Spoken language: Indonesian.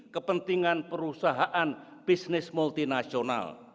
kepentingan perusahaan bisnis multinasional